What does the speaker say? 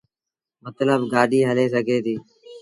متلب گآڏيٚ هلي سگھي ديٚ۔